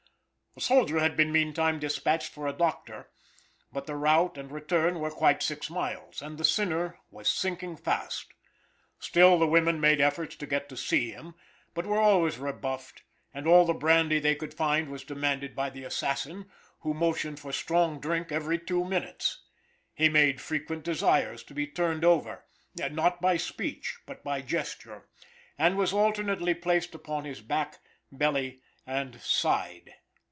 A soldier had been meanwhile despatched for a doctor, but the route and return were quite six miles, and the sinner was sinking fast. Still the women made efforts to get to see him, but were always rebuffed, and all the brandy they could find was demanded by the assassin, who motioned for strong drink every two minutes. He made frequent desires to be turned over, not by speech, but by gesture, and was alternately placed upon his back, belly and side.